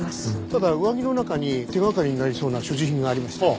ただ上着の中に手掛かりになりそうな所持品がありました。